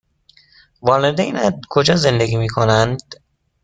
والدینت کجا زندگی می کنند؟